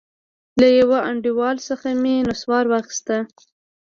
له يوه انډيوال څخه مې نسوار واخيست.